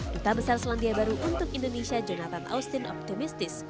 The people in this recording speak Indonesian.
duta besar selandia baru untuk indonesia jonathan austin optimistis